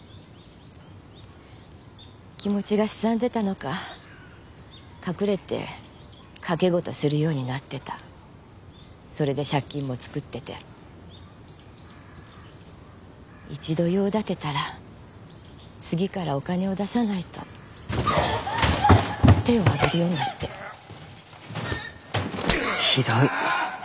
気持ちがすさんでたのか隠れて賭け事するようになってたそれで借金も作ってて一度用立てたら次からお金を出さないと手を上げるようになってひどい！